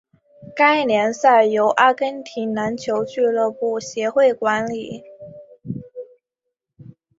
该联赛由阿根廷篮球俱乐部协会管理。